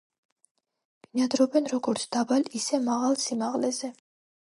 ბინადრობენ როგორც დაბალ, ისე მაღალ სიმაღლეზე.